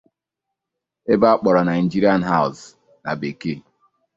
ebe a kpọrọ Nigerian House na bekee.